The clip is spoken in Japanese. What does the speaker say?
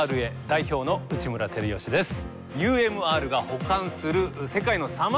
代表の内村光良です。